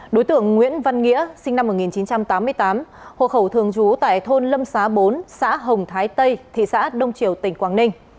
đối tượng nguyễn văn nghĩa sinh năm một nghìn chín trăm tám mươi tám hộ khẩu thường trú tại thôn lâm xá bốn xã hồng thái tây thị xã đông triều tỉnh quảng ninh